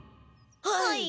はい。